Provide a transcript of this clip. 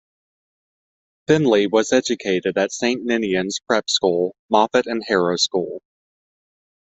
Findlay was educated at Saint Ninian's Prep School, Moffat and Harrow School.